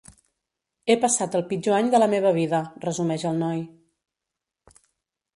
He passat el pitjor any de la meva vida, resumeix el noi.